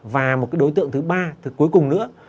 và một đối tượng thứ ba cuối cùng nữa